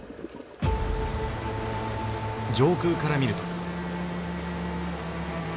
上空から見ると。